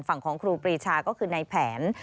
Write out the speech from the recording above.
ฝั่งของครูปรีชาก็คือในแผน